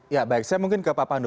ya baik saya mungkin ke pak pandu